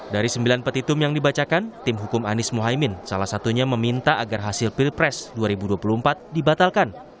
dari sembilan petitum yang dibacakan tim hukum anies mohaimin salah satunya meminta agar hasil pilpres dua ribu dua puluh empat dibatalkan